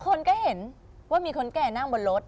คนก็เห็นว่ามีคนเก่กั้งออกบนรถ